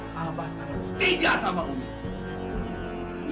saya ingin mencari tiga rumah tangga saya